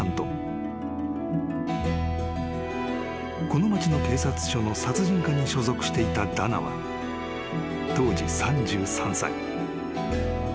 ［この町の警察署の殺人課に所属していたダナは当時３３歳］